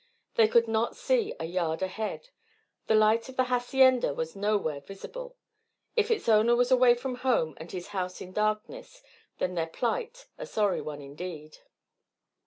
They could not see a yard ahead. The light of the hacienda was nowhere visible. If its owner was away from home and his house in darkness, then was their plight a sorry one indeed.